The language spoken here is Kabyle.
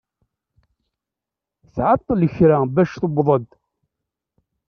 Tɛeṭṭel kra bac tewweḍ-d.